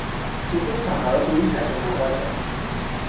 ستون فقرات او کج و معوج است.